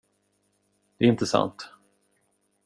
Det är inte sant.